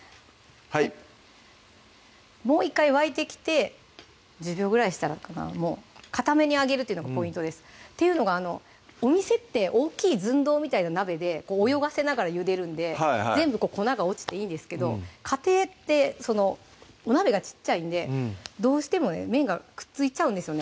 はいもう１回沸いてきて１０秒ぐらいしたらかなかためにあげるっていうのがポイントですっていうのがお店って大きいずんどうみたいな鍋で泳がせながらゆでるんで全部粉が落ちていいんですけど家庭ってそのお鍋が小っちゃいんでどうしてもね麺がくっついちゃうんですよね